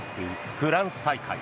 フランス大会。